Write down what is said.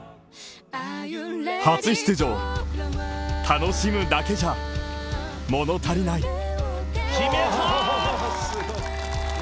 初出場、楽しむだけじゃ物足りない。